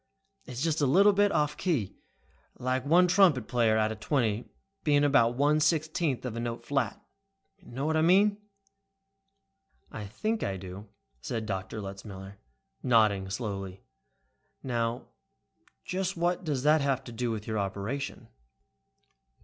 It's just a little bit off key, like one trumpet player out of twenty being about one sixteenth of a note flat. Know what I mean?" "I think I do," said Letzmiller, nodding slowly. "Now, just what does that have to do with your operation?"